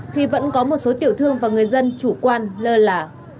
khi vẫn có một số tiểu thương và người dân chủ quan lơ là